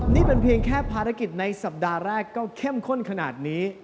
นี่เป็นเพียงแค่ภารกิจในสัปดาห์แรกก็เข้มข้นขนาดนี้